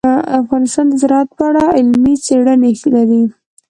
افغانستان د زراعت په اړه علمي څېړنې لري.